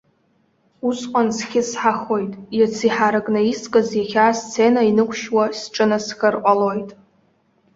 Усҟан схьысҳахоит, иацы иҳаракны искыз иахьа асцена инықәшьуа сҿынасхар ҟалоит.